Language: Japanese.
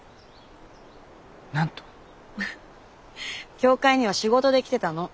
教会には仕事で来てたの。